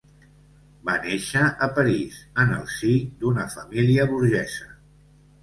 Va néixer a París, en el si d'una família burgesa.